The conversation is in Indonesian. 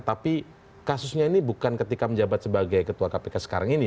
tapi kasusnya ini bukan ketika menjabat sebagai ketua kpk sekarang ini